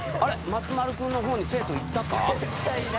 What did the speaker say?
松丸君の方に生徒行ったか？